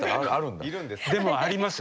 でもあります。